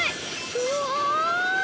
うわ！